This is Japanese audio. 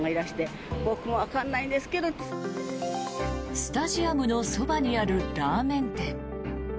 スタジアムのそばにあるラーメン店。